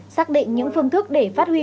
xác định những phương thức để phát huy